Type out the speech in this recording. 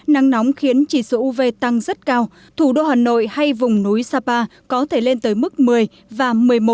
nắng nóng khiến chỉ số uv tăng rất cao thủ đô hà nội hay vùng núi sapa có thể lên tới mức một mươi và một mươi một một